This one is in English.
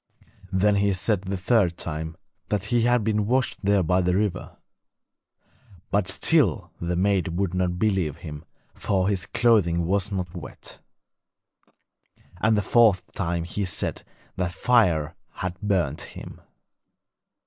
Then he said the third time, that he had been washed there by the river. But still the maid would not believe him, for his clothing was not wet. And the fourth time he said that fire had burnt him.